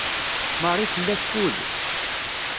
Marie tella teffud.